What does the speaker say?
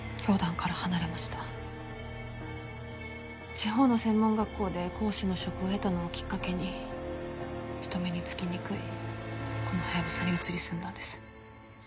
地方の専門学校で講師の職を得たのをきっかけに人目につきにくいこのハヤブサに移り住んだんです。